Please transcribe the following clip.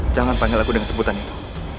jangan panggil aku dengan sebutan itu